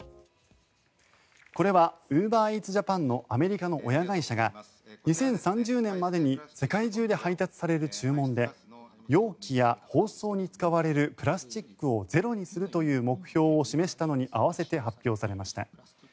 これはウーバーイーツジャパンのアメリカの親会社が２０３０年までに世界中で配達される注文で容器や包装に使われるプラスチックをゼロにするという目標を示したのに合わせて発表されました。